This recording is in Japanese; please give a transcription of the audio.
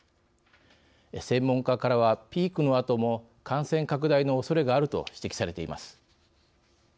専門家からはピークのあとも感染拡大のおそれがあると指摘されています。